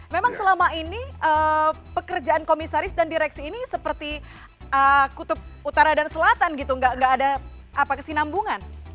memang selama ini pekerjaan komisaris dan direksi ini seperti kutub utara dan selatan gitu nggak ada kesinambungan